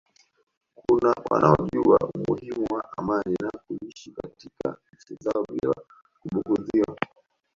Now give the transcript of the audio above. kuna wanaojua umuhimu wa amani na kuishi katika nchi zao bila kubugudhiwa